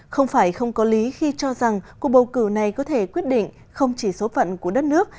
không phải không có lý khi cho rằng cuộc bầu cử này có thể quyết định không chỉ số phận của đất nước